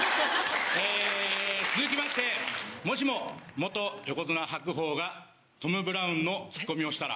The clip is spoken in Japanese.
続きましてもしも横綱・白鵬がトム・ブラウンのツッコミをしたら。